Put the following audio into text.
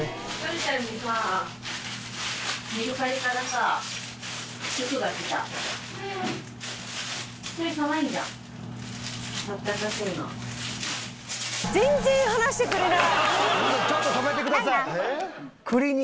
ちょっと止めてください。